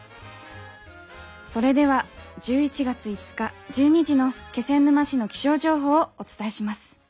それでは１１月５日１２時の気仙沼市の気象情報をお伝えします。